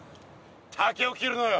竹を切るのよ。